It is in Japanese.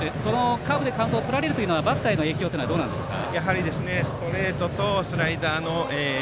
このカーブでカウントをとられるのはバッターとしてはどうなんですか。